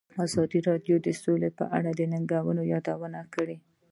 ازادي راډیو د سوله په اړه د ننګونو یادونه کړې.